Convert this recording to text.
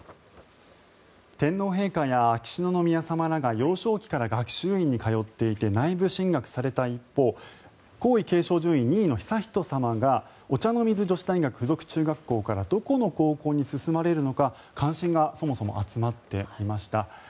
天皇陛下や秋篠宮さまらが幼少期から学習院に通われていて内部進学された一方皇位継承順位２位の悠仁さまがお茶の水女子大学附属中学校からどこの高校に進まれるのか関心がそもそも集まっていました。